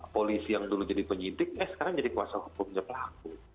polisi yang dulu jadi penyidik eh sekarang jadi kuasa hukumnya pelaku